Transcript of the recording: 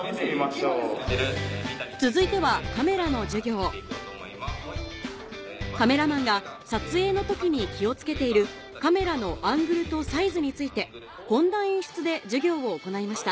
続いてはカメラマンが撮影の時に気を付けているカメラのアングルとサイズについてこんな演出で授業を行いました